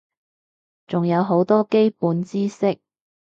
仲有好多基本知識